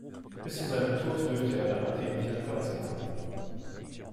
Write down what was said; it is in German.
Bis zu seinem Tod dürfte er dann Athen nicht mehr verlassen haben.